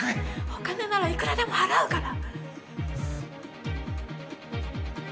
お金ならいくらでも払うから。